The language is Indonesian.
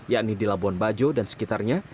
yakni di labuan bajo dan sekitarnya